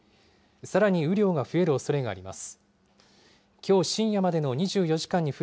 さらに雨量が増えるおそれがあります。